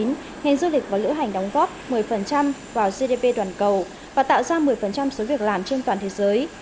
ngành du lịch và lữ hành đóng góp một mươi vào gdp toàn cầu và tạo ra một mươi số việc làm trên toàn thế giới